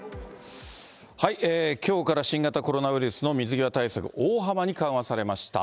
きょうから新型コロナウイルスの水際対策、大幅に緩和されました。